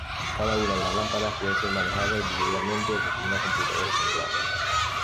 Cada una de las lámparas puede ser manejada individualmente desde una computadora central.